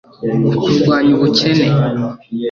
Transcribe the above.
Kurwanya ubukene